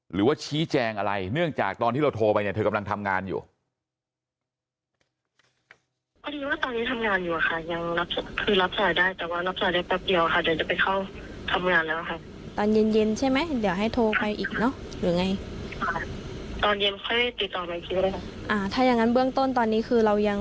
หรือว่าชี้แจงอะไรเนื่องจากตอนที่เราโทรไปเนี่ยเธอกำลังทำงานอยู่